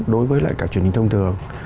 đối với cả truyền hình thông thường